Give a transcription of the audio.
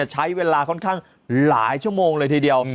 ใช้เวลาค่อนข้างหลายชั่วโมงเลยทีเดียว